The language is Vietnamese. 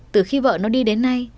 từ khi vợ nó đi đến nay